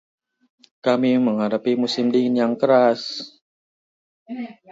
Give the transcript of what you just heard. Kami menghadapi musim dingin yang keras.